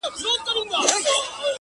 چي له وېري راوتای نه سي له کوره٫